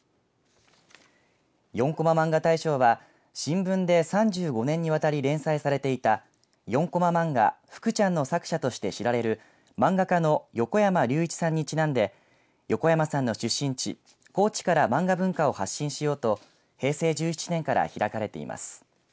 ４コマまんが大賞は新聞で３５年にわたり連載されていた４コマ漫画フクちゃんの作者として知られる漫画家の横山隆一さんにちなんで横山さんの出身地高知から漫画文化を発信しようと平成１７年から開かれています。